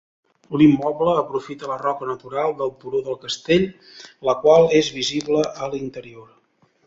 L'immoble aprofita la roca natural del turó del Castell, la qual és visible a l'interior.